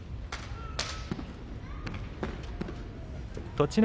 栃ノ